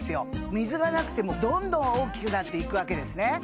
水がなくてもどんどん大きくなっていくわけですね